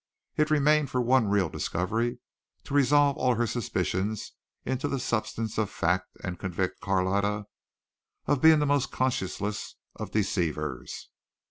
It remained for one real discovery to resolve all her suspicions into the substance of fact and convict Carlotta of being the most conscienceless of deceivers.